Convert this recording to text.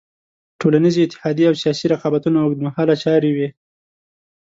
ټولنیزې اتحادیې او سیاسي رقابتونه اوږد مهاله چارې وې.